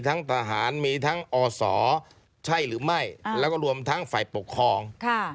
ทั้งทหารมีทั้งอศใช่หรือไม่แล้วก็รวมทั้งฝ่ายปกครอง